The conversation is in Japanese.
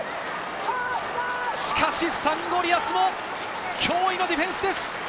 しかし、サンゴリアスも驚異のディフェンスです。